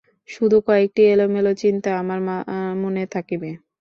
শুধু কয়েকটি এলোমেলো চিন্তা আমার মনে থাকিবে।